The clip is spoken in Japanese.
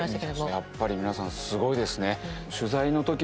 やっぱり皆さんすごいですね。